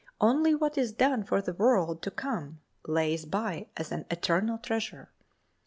Only what is done for the world to come lays by as an eternal treasure.